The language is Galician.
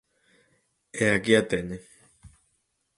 E aquí a teñen.